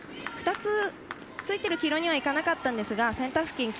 ２つついている黄色にはいかなかったんですがセンター付近